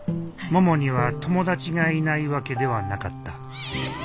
ももには友達がいないわけではなかった。